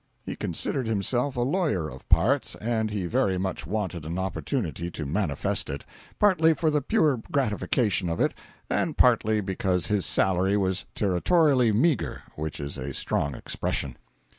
He considered himself a lawyer of parts, and he very much wanted an opportunity to manifest it—partly for the pure gratification of it and partly because his salary was Territorially meagre (which is a strong expression).